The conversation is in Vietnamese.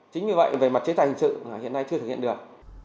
chính vì vậy về mặt chế tài hình sự hiện nay chưa thực hiện được